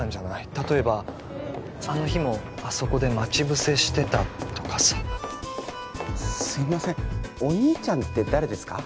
例えばあの日もあそこで待ち伏せしてたとかさすいませんお兄ちゃんって誰ですか？